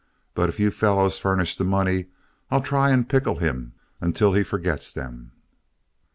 But if you fellows furnish the money, I'll try and pickle him until he forgets them."